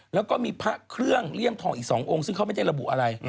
แล้วก็มีพระเครื่องเลี่ยมทองอีก๒องค์ซึ่งเขาไม่ได้ระบุอะไร